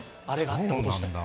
あれがあったことは。